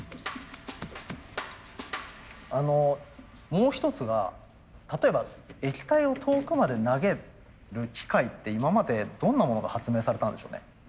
もう一つが例えば液体を遠くまで投げる機械って今までどんなものが発明されたんでしょうね。